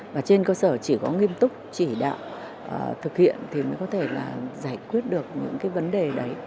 và trên cơ sở chỉ có nghiêm túc chỉ đạo thực hiện thì mới có thể là giải quyết được những cái vấn đề đấy